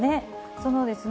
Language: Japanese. そうですね。